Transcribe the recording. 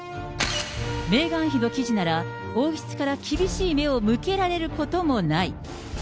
メーガン妃の記事なら王室から厳しい目を向けられることもない。